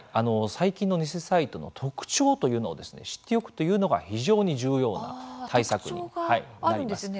最近の偽サイトの特徴というのを知っておくというのが非常に重要な対策になります。